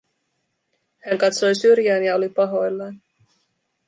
Hän katsoi syrjään ja oli pahoillaan.